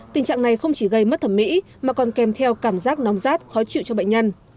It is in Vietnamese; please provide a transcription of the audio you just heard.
tình trạng này không chỉ gây mất thẩm mỹ mà còn kèm theo cảm giác nóng rát khó chịu cho bệnh nhân